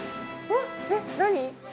えっ何？